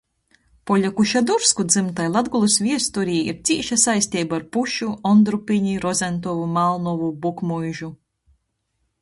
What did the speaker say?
Poļaku Šadursku dzymtai Latgolys viesturē ir cīša saisteiba ar Pušu, Ondrupini, Rozentovu, Malnovu, Bukmuižu.